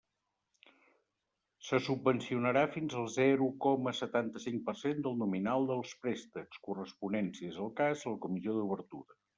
Se subvencionarà fins al zero coma setanta-cinc per cent del nominal dels préstecs, corresponent, si és el cas, a la comissió d'obertura.